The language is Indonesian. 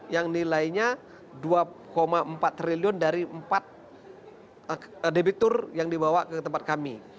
dan nilainya dua empat triliun dari empat debitur yang dibawa ke tempat kami